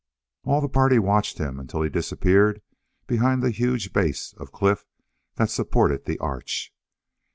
All the party watched him until he disappeared behind the huge base of cliff that supported the arch.